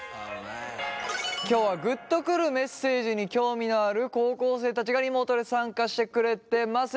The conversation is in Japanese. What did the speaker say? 今日はグッとくるメッセージに興味のある高校生たちがリモートで参加してくれてます。